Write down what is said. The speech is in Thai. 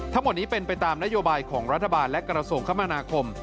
ทั้งหมดนี้เป็นไปตามนโยบายของรัฐบาลและกระทรวงคมนาคม